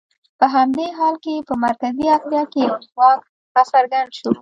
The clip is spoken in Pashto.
په همدې حال کې په مرکزي اسیا کې یو ځواک راڅرګند شو.